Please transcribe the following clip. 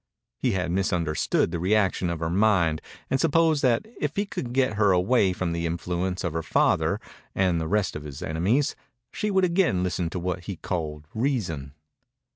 He had misunderstood the reaction of her mind and supposed that if he could get her away from the influence of her father and the rest of his enemies, she would again listen to what he called reason.